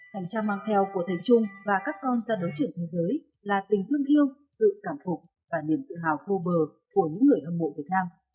thành trang mang theo của thầy trung và các con gia đấu trưởng thế giới là tình thương thiêu sự cảm phục và niềm tự hào khô bờ của những người hâm mộ việt nam